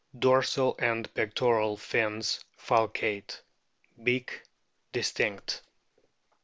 Dorsal and pectoral fins falcate. Beak distinct.